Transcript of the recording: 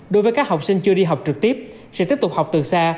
đối với các học sinh chưa đi học trực tiếp sẽ tiếp tục học từ xa